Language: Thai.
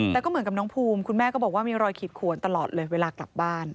แต่ก็เหมือนกับน้องภูมิคุณแม่ก็บอกว่ามีรอยขีดขวนตลอดเลยเวลากลับบ้าน